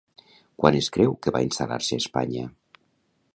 Quan es creu que va instal·lar-se a Espanya?